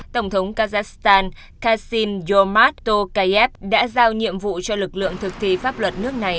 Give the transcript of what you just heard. tổng thống kazakhstan kassym yomartokayev đã giao nhiệm vụ cho lực lượng thực thi pháp luật nước này